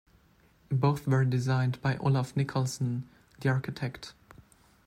Both were designed by Olaf Nicholson, the architect.